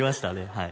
はい